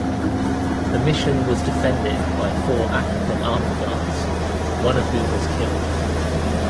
The mission was defended by four African armed guards, one of whom was killed.